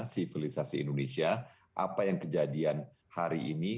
sivilisasi indonesia apa yang kejadian hari ini